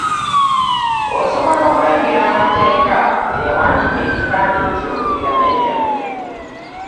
Osobola okulengera amateeka eyawandiika ekipande ekyo ge yamenya.